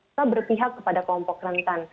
kita berpihak kepada kompok rentan